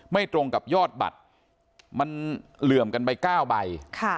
ตรงกับยอดบัตรมันเหลื่อมกันไป๙ใบ